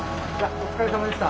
お疲れさまでした。